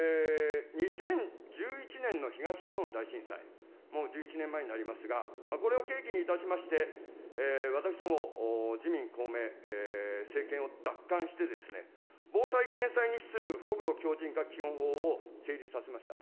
で、２０１１年の東日本大震災、もう１１年前になりますが、これを契機にいたしまして、私ども、自民、公明、政権を奪還して、防災・減災にしする国土強靭化基本法を成立させました。